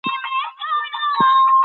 بې لوسته کسانو ته انګرېزي سخته ده.